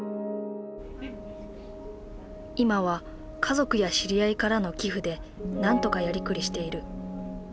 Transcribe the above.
今は家族や知り合いからの寄付でなんとかやりくりしている。